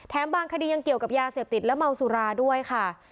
บางคดียังเกี่ยวกับยาเสพติดและเมาสุราด้วยค่ะ